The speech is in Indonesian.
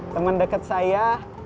temen deket saya